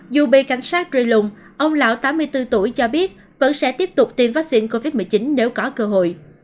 dù bị cảnh sát reung ông lão tám mươi bốn tuổi cho biết vẫn sẽ tiếp tục tiêm vaccine covid một mươi chín nếu có cơ hội